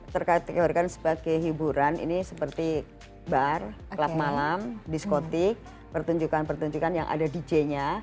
terkategorikan sebagai hiburan ini seperti bar klub malam diskotik pertunjukan pertunjukan yang ada di j nya